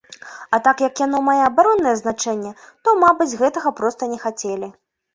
А так як яно мае абароннае значэнне, то, мабыць, гэтага проста не хацелі.